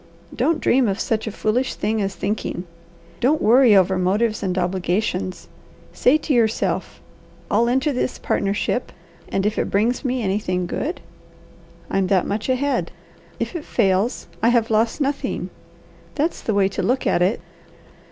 Don't dream of such a foolish thing as thinking. Don't worry over motives and obligations. Say to yourself, 'I'll enter this partnership and if it brings me anything good, I'm that much ahead. If it fails, I have lost nothing.' That's the way to look at it."